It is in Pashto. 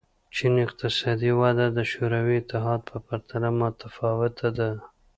چین اقتصادي وده د شوروي اتحاد په پرتله متفاوته ده.